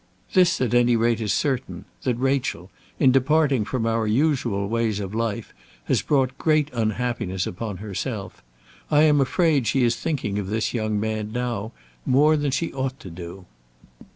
"This at any rate is certain, that Rachel, in departing from our usual ways of life, has brought great unhappiness upon herself. I'm afraid she is thinking of this young man now more than she ought to do."